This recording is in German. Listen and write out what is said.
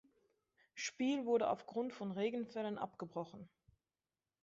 Spiel wurde auf Grund von Regenfällen abgebrochen.